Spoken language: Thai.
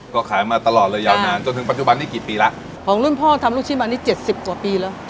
ก็ขายมาตลอดเลยยาวนานจนถึงปัจจุบันนี้กี่ปีแล้วของรุ่นพ่อทำลูกชิ้นมานี่เจ็ดสิบกว่าปีแล้ว